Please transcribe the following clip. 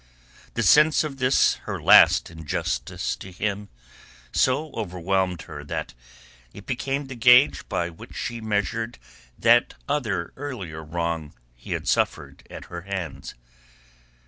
The sense of this her last injustice to him so overwhelmed her that it became the gauge by which she measured that other earlier wrong he had suffered at her hands.